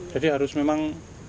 jadi harus memang